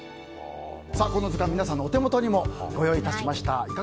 この図鑑、皆さんのお手元にもご用意しました。